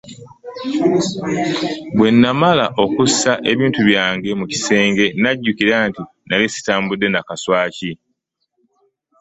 Bwe nnamala okussa ebintu byange mu kasenge, nnajjukira nti nnali sitambudde na muswaki.